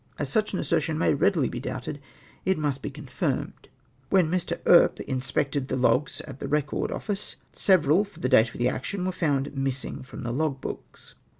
As such an assertion may readily be doubted, it must be con firmed. Wlien ]\l[i\ Earp inspected the logs at the Eecord Office, several, for the date of the action, Avere found missino from the lo2f books.